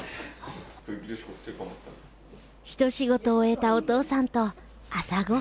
ひと仕事終えたお父さんと朝ご飯。